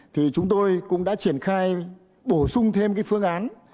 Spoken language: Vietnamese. thì chúng tôi cũng đã triển khai bổ sung thêm cái phương án